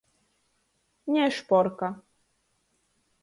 Nešporka.